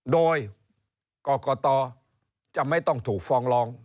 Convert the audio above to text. โดยกรกตจะไม่ต้องถูกฟองลอง